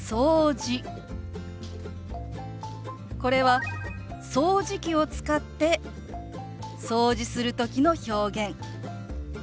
これは掃除機を使って掃除する時の表現。